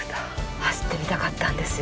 走ってみたかったんですよ。